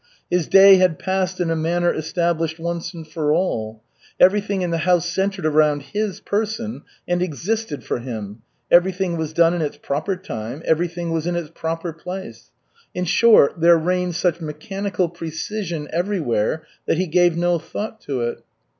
His day had passed in a manner established once and for all. Everything in the house centered around his person and existed for him; everything was done in its proper time, everything was in its proper place; in short, there reigned such mechanical precision everywhere that he gave no thought to it.